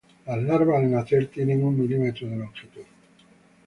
Las larvas al nacer tienen un milímetro de longitud.